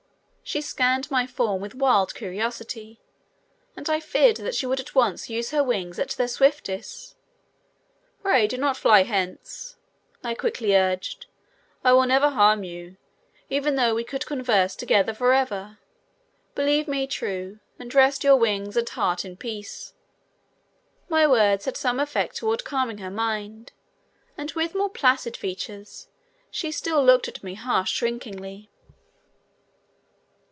She scanned my form with wild curiosity and I feared that she would at once use her wings at their swiftest. "Pray do not fly hence," I quickly urged. "I will never harm you, even though we could converse together forever. Believe me true, and rest your wings and heart in peace." My words had some effect toward calming her mind and with more placid features she still looked at me half shrinkingly.